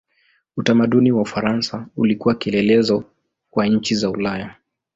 Utamaduni wa Ufaransa ulikuwa kielelezo kwa nchi za Ulaya.